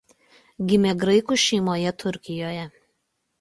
Gimė graikų šeimoje Turkijoje.